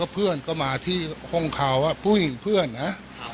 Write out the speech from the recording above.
เพื่อนก็มาที่ห้องเขาผู้หญิงเพื่อนนะ